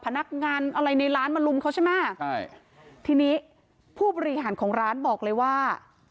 พนักงานอะไรในร้านมาลุมเขาใช่ไหมใช่ทีนี้ผู้บริหารของร้านบอกเลยว่า